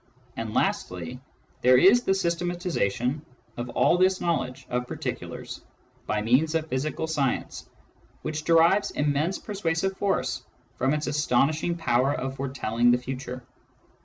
And lastly, there is the systematisation of all this knowledge of particulars by means of physical science, which derives immense persuasive force from its astonishing power of foretelling the future.